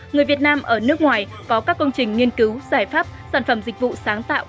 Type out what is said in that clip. người việt nam ở nước ngoài có các công trình nghiên cứu giải pháp sản phẩm dịch vụ sáng tạo